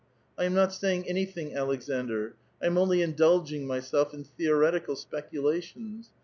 I am not saying anything, Aleksandr ; I am only in dulging myself in theoretical speculations.